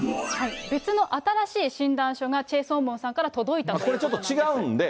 別の新しい診断書が、チェ・ソンボンさんから届いたということなんです。